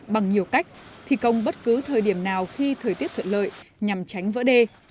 bằng nhiều cách thi công bất cứ thời điểm nào khi thời tiết thuận lợi nhằm tránh vỡ đê